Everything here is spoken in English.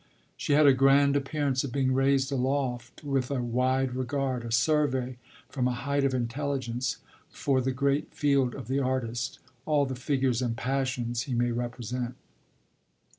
She had a grand appearance of being raised aloft, with a wide regard, a survey from a height of intelligence, for the great field of the artist, all the figures and passions he may represent.